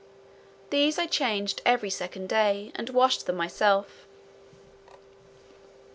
These I changed every second day, and washed them myself.